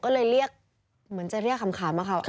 ก็เลยเรียกเหมือนจะเรียกขำค่ะ